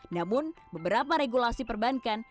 namun beberapa regulasi perbankan